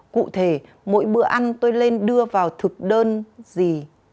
cụ thể mỗi bữa ăn tôi lên đưa vào thực đơn gì